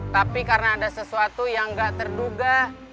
tapi karena ada sesuatu yang nggak terduga